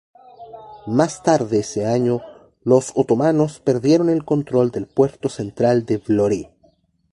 Más tarde ese año, los otomanos perdieron el control del puerto central de Vlorë.